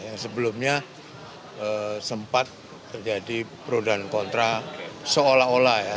yang sebelumnya sempat terjadi pro dan kontra seolah olah ya